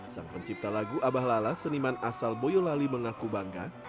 sang pencipta lagu abahlala seniman asal boyolali mengaku bangga